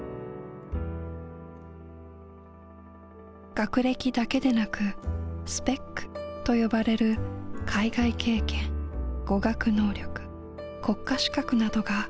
学歴だけでなくスペックと呼ばれる海外経験語学能力国家資格などが求められる。